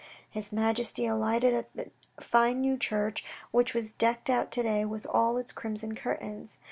His Majesty alighted at the fine new church, which was decked out to day with all its crimson curtains.